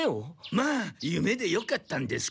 まあ夢でよかったんですけど。